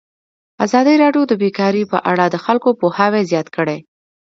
ازادي راډیو د بیکاري په اړه د خلکو پوهاوی زیات کړی.